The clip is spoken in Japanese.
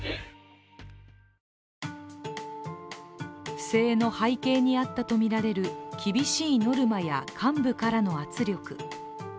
不正の背景にあったとみられる厳しいノルマや幹部からの圧力。